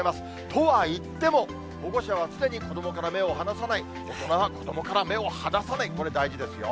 とはいっても、保護者は常に子どもから目を離さない、大人は子どもから目を離さない、これ、大事ですよ。